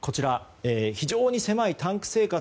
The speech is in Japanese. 非常に狭いタンク生活。